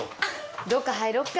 どっか入ろうか。